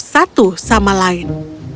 satu sama lain